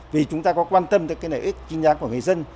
vì chúng ta có quan tâm tới nợ ích chính đáng của người dân